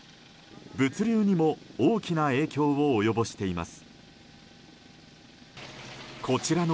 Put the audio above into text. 物流にも大きな影響を及ぼしています。